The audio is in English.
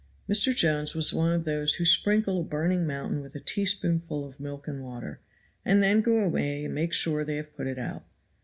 Mr. Jones was one of those who sprinkle a burning mountain with a teaspoonful of milk and water, and then go away and make sure they have put it out.